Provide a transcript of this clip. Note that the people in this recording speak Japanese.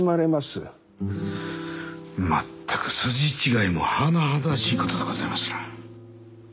全く筋違いも甚だしいことでございますな。